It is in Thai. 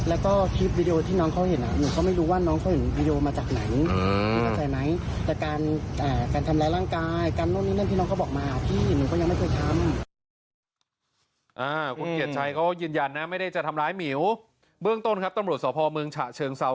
คุณเกียรติชัยเขายืนยันนะไม่ได้จะทำร้ายหมิวเบื้องต้นครับตำรวจสพเมืองฉะเชิงเซา